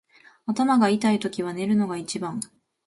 頭が痛いときは寝るのが一番。